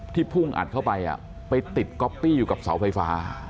พุ่งอัดเข้าไปไปติดก๊อปปี้อยู่กับเสาไฟฟ้า